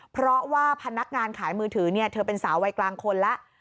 เพราะว่าพนักงานขายมือถือเธอเป็นสาววัยกลางคนแล้ว